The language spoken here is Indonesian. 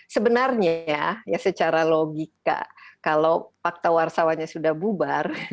sebenarnya ya secara logika kalau fakta warsawanya sudah bubar